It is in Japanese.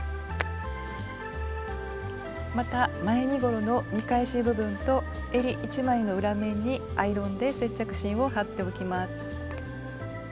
また前身ごろの見返し部分とえり１枚の裏面にアイロンで接着芯を貼っておきます。